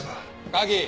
カキ！